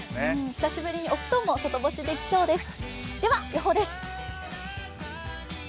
久しぶりにお布団も外干しできそうです。